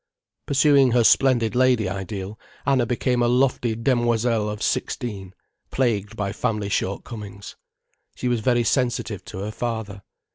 Pursuing her splendid lady ideal, Anna became a lofty demoiselle of sixteen, plagued by family shortcomings. She was very sensitive to her father.